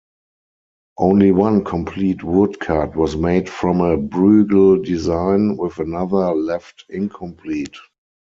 Only one complete woodcut was made from a Bruegel design, with another left incomplete.